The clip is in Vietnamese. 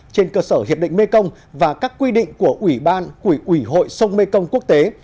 trên cơ sở hiệp định mekong và các quy định của ủy ban quỹ ủy hội sông mekong quốc tế